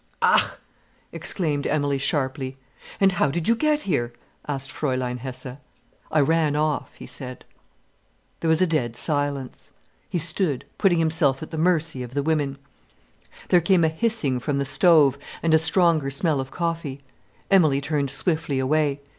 "Ach!" exclaimed Emilie sharply. "And how did you get here?" asked Fräulein Hesse. "I ran off," he said. There was a dead silence. He stood, putting himself at the mercy of the women. There came a hissing from the stove, and a stronger smell of coffee. Emilie turned swiftly away.